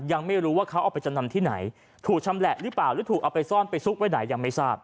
ยังไม่รู้ว่าเขาเอาไปจำนำที่ไหนถูกชำแหละหรือเปล่าหรือถูกเอาไปซ่อนไปซุกไว้ไหนยังไม่ทราบ